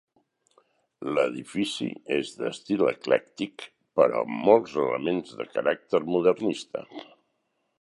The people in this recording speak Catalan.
L'edifici és d'estil eclèctic, però amb molts elements de caràcter modernista.